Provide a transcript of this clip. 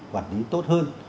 quản lý tốt hơn